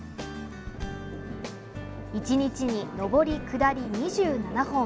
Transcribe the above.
１日に上り、下り２７本。